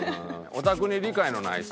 「オタクに理解のない人」。